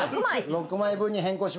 ６枚分に変更します。